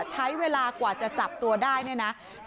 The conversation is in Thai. ใช้เวลากว่าจะจับตัวได้เนี่ยนะ